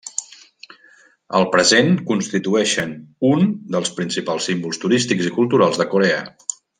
Al present constitueixen un dels principals símbols turístics i culturals de Corea.